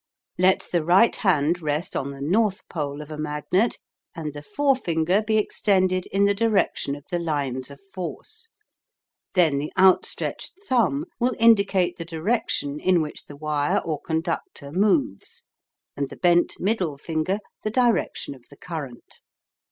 Let the right hand rest on the north pole of a magnet and the forefinger be extended in the direction of the lines of force, then the outstretched thumb will indicate the direction in which the wire or conductor moves and the bent middle finger the direction of the current.